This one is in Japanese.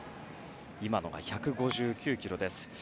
今のが１５９キロでした。